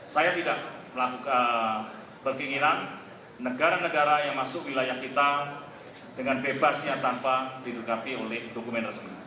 saya tidak melakukan berkinginan negara negara yang masuk wilayah kita dengan bebasnya tanpa didukapi oleh dokumen resmi